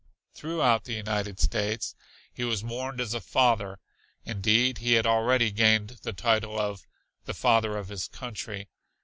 Throughout the United States he was mourned as a father, indeed he had already gained the title of "the father of his country."